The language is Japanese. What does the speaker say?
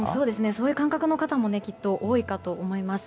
そういう感覚の方も多いかと思います。